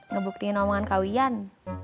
ngebuktiin omongan kau ian